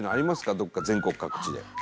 どこか全国各地で」